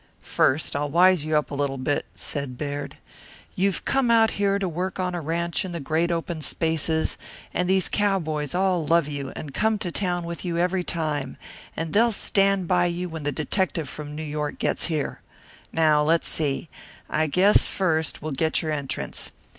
"First, I'll wise you up a little bit," said Baird. "You've come out here to work on a ranche in the great open spaces, and these cowboys all love you and come to town with you every time, and they'll stand by you when the detective from New York gets here. Now let's see I guess first we'll get your entrance.